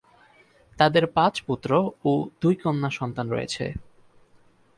তাদের পাঁচ পুত্র ও দুই কন্যা সন্তান রয়েছে।